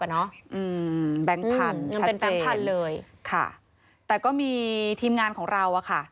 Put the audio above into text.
อืมแบงค์พันธุ์ชัดเจนค่ะแต่ก็มีทีมงานของเราค่ะ